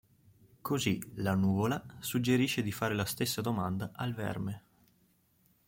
Così la Nuvola suggerisce di fare la stessa domanda al Verme.